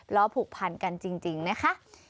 แล้วผูกพันกันจริงนะคะ